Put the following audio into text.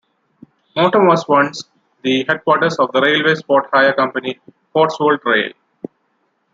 Moreton was once the headquarters of the railway spot-hire company Cotswold Rail.